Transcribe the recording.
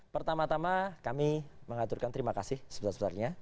pertama tama kami mengaturkan terima kasih sebetul sebetulnya